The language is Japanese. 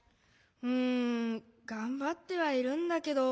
うんがんばってはいるんだけど。